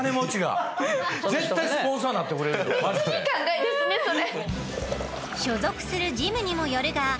めっちゃいい考えですねそれ。